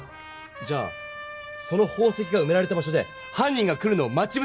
じゃあその宝石がうめられた場所ではん人が来るのを待ちぶせる！